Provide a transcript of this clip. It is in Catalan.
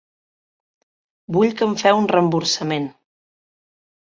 Vull que em feu un reemborsament.